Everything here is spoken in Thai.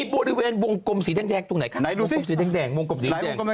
บริเวณยังไงวงกลมสีแดง